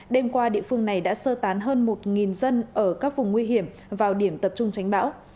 đêm qua địa phương này đã sơ tán hơn một dân ở các vùng nguy hiểm vào điểm tập trung tránh bão